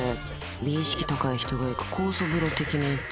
美意識高い人が行く酵素風呂的なやつ？